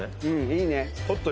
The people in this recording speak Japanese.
いいね。